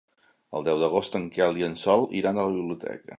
El deu d'agost en Quel i en Sol iran a la biblioteca.